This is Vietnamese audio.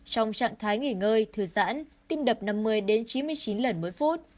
trong trạng thái nghỉ ngơi thư giãn tim đập năm mươi đến chín mươi chín lần mỗi phút